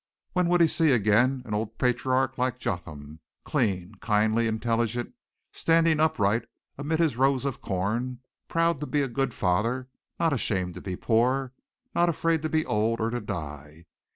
When would he see again an old patriarch like Jotham, clean, kindly, intelligent, standing upright amid his rows of corn, proud to be a good father, not ashamed to be poor, not afraid to be old or to die.